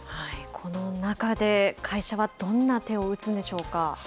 この中で、会社はどんな手を打つんでしょうか。